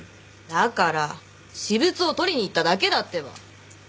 だから私物を取りに行っただけだってば。